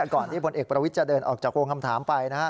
ก่อนที่พลเอกประวิทย์จะเดินออกจากวงคำถามไป